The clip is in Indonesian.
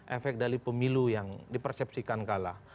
efek dari pemilu yang dipersepsikan kalah